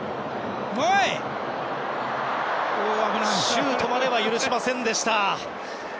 シュートまでは許しませんでした。